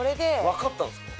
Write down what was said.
わかったんですか？